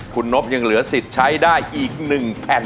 คุณนบยังเหลือสิทธิ์ใช้ได้อีก๑แผ่น